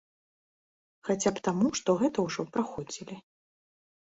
Хаця б таму, што гэта ўжо праходзілі.